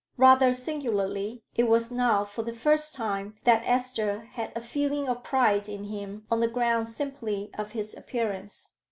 Rather singularly, it was now for the first time that Esther had a feeling of pride in him on the ground simply of his appearance.